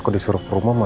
harusil juga pake saya